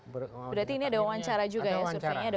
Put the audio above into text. berarti ini ada wawancara juga ya surveinya